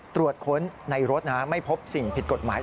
ตรวจค้นในรถไม่พบสิ่งผิดกฎหมาย